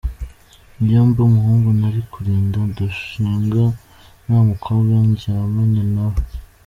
Iyo mba umuhungu nari kurinda ndushinga nta mukobwa ndyamanye na we